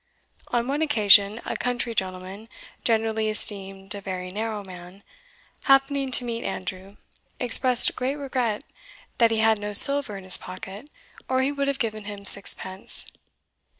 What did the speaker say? On one occasion, a country gentleman, generally esteemed a very narrow man, happening to meet Andrew, expressed great regret that he had no silver in his pocket, or he would have given him sixpence.